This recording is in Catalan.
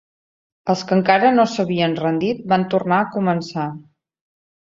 Els que encara no s'havien rendit van tornar a començar.